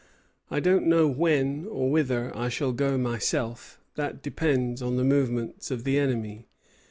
I don't know when or whither I shall go myself; that depends on the movements of the enemy.